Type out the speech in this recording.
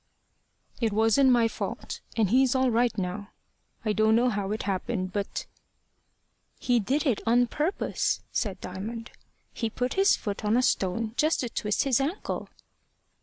"It wasn't my fault, and he's all right now. I don't know how it happened, but " "He did it on purpose," said Diamond. "He put his foot on a stone just to twist his ankle."